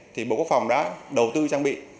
thì bộ quốc phòng đã đầu tư trang bị